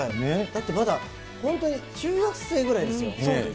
だってまだ、本当に中学生ぐらいですよ。